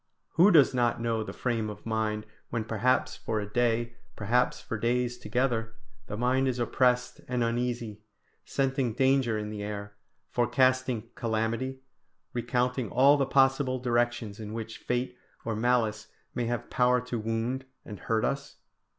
Who does not know the frame of mind when perhaps for a day, perhaps for days together, the mind is oppressed and uneasy, scenting danger in the air, forecasting calamity, recounting all the possible directions in which fate or malice may have power to wound and hurt us?